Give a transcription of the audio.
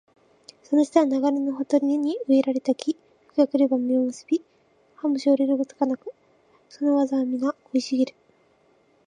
その人は流れのほとりに植えられた木、時が来れば実を結び、葉もしおれることがなく、その業はみな生い茂る